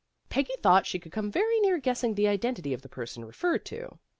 Peggy thought she could come very near guessing the identity of the person re ferred to.